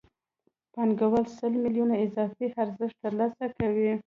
پانګوال سل میلیونه اضافي ارزښت ترلاسه کوي